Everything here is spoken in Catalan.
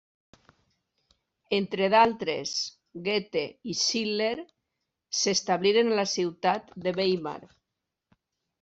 Entre d'altres Goethe i Schiller s'establiren a la ciutat de Weimar.